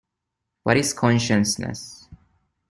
What is consciousness?